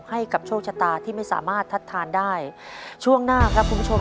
ให้กับโชคชะตาที่ไม่สามารถทัดทานได้ช่วงหน้าครับคุณผู้ชม